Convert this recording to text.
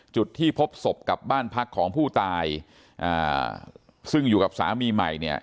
จุดที่พบศพกับบ้านพักของผู้ตายอ่าซึ่งอยู่กับสามีใหม่เนี่ย